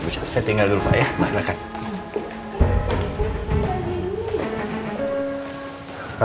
saya tinggal dulu pak ya masyarakat